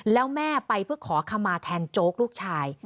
แล้วแม่ไปเพื่อขอขมาแทนโจ๊กลูกชาย